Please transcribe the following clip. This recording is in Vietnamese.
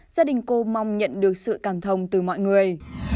gia đình cô mong nhận được sự cảm thông từ mọi người